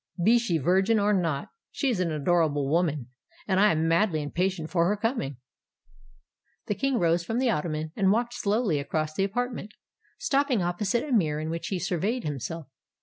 be she virgin or not, she is an adorable woman; and I am madly impatient for her coming." The King rose from the ottoman, and walked slowly across the apartment, stopping opposite a mirror in which he surveyed himself.